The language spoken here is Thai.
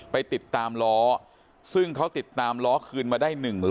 ไปติดตามล้อซึ่งเขาติดตามล้อคืนมาได้๑ล้อ